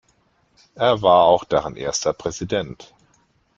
Er war auch deren erster Präsident.